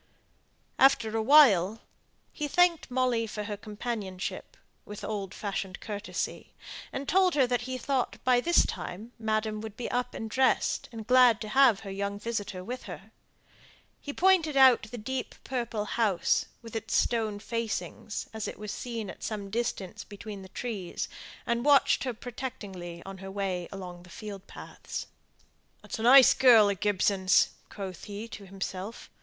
After a while, he thanked Molly for her companionship, with old fashioned courtesy; and told her that he thought, by this time, madam would be up and dressed, and glad to have her young visitor with her. He pointed out the deep purple house, with its stone facings, as it was seen at some distance between the trees, and watched her protectingly on her way along the field paths. "That's a nice girl of Gibson's," quoth he to himself.